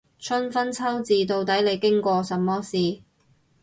春分秋至，到底你經過什麼事